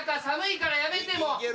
寒いからやめてもう。